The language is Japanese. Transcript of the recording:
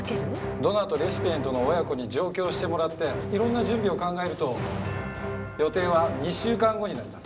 ドナーとレシピエントの親子に上京してもらって色んな準備を考えると予定は２週間後になります。